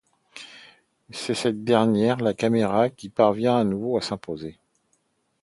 Mais c'est derrière la caméra qu'il parvient de nouveau à s'imposer.